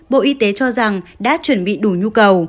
bộ y tế cho rằng đã chuẩn bị đủ nhu cầu